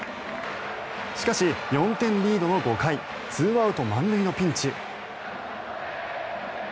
しかし、４点リードの５回２アウト満塁のピンチ。